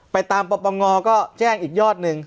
ไปตามปปงก็แจ้งอีกยอดหนึ่ง